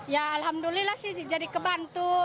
ya alhamdulillah sih jadi kebantu